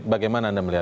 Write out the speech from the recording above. bagaimana anda melihat